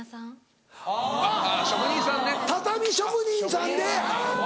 畳職人さんで！